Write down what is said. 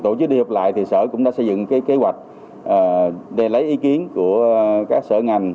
tổ chức đi học lại sở cũng đã xây dựng kế hoạch để lấy ý kiến của các sở ngành